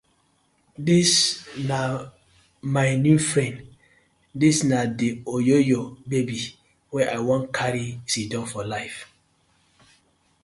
Dis na my new friend, dis na di oyoyo babi wey I won karry sidon for life.